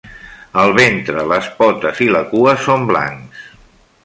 El ventre, les potes i la cua són blancs.